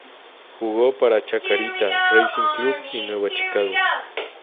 Jugó para Chacarita, Racing Club y Nueva Chicago.